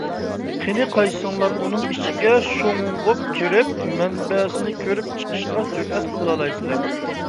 قېنى، قايسىڭلار ئۇنىڭ ئىچىگە شۇڭغۇپ كىرىپ مەنبەسىنى كۆرۈپ چىقىشقا جۈرئەت قىلالايسىلەر؟